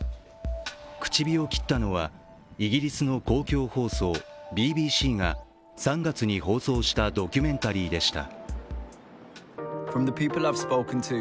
口火を切ったのはイギリスの公共放送ＢＢＣが３月に放送したドキュメンタリーでした。